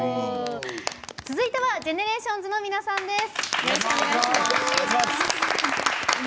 続いてはＧＥＮＥＲＡＴＩＯＮＳの皆さんです。